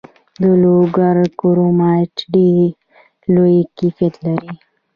د لوګر کرومایټ ډیر لوړ کیفیت لري.